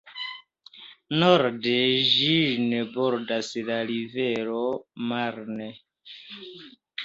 Norde ĝin bordas la rivero Marne.